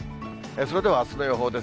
それでは、あすの予報です。